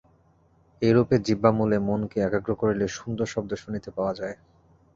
এইরূপে জিহ্বামূলে মনকে একাগ্র করিলে, সুন্দর শব্দ শুনিতে পাওয়া যায়।